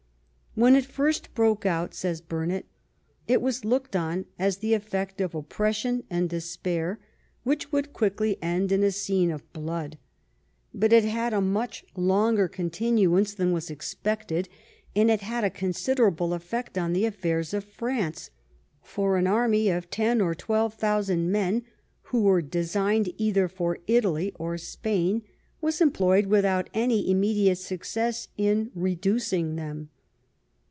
" When it first broke out," says Burnet, "it was looked on as the effect of oppression and despair, which would quickly end in a scene of blood ; but it had a much longer continuance than was expected, and it had a considerable effect on the affairs of France ; for an army of ten or twelve thousand men, who were designed either for Italy or Spain, was employed without any immediate success in re ducing them."